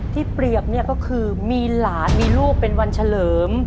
ที่เปรียบก็คือมีหลานมีลูกเป็นวันเฉลิม